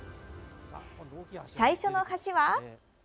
最初の橋は。